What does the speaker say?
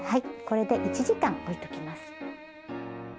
これで１時間置いときます。